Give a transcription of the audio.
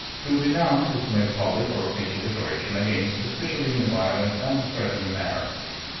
To denounce is to make public or official declaration against, especially in a violent and threatening manner.